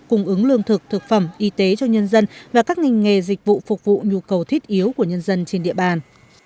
cung ứng lương thực thực phẩm y tế cho nhân dân và các ngành nghề dịch vụ phục vụ nhu cầu thiết yếu của nhân dân trên địa bàn